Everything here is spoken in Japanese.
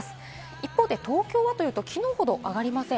一方、東京はというと昨日ほど上がりません。